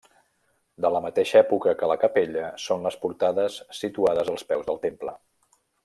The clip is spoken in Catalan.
De la mateixa època que la capella, són les portades situades als peus del temple.